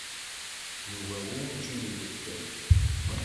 Yuba werǧin ibeddel.